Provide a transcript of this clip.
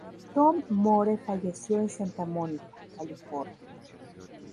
Tom Moore falleció en Santa Mónica, California.